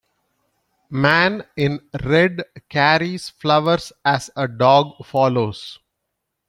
Man in red carries flowers as a dog follows.